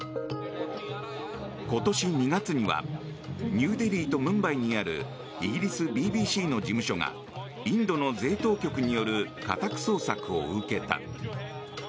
今年２月にはニューデリーとムンバイにあるイギリスＢＢＣの事務所がインドの税当局による家宅捜索を受けた。